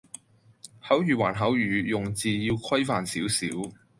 口語還口語，用字要規範少少